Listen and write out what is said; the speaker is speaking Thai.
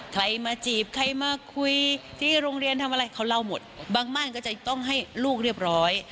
ใครมาจีบใครมาคุยที่โรงเรียนทำอะไรเขาเล่าหมดบางม่านก็จะต้องให้ลูกเรียบร้อย